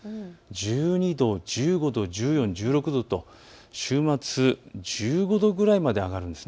１２度、１５度、１４度、１６度と週末、１５度くらいまで上がるんです。